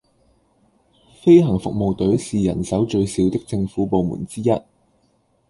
飛行服務隊是人手最少的政府部門之一